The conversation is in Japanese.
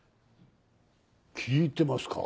聞いてますか？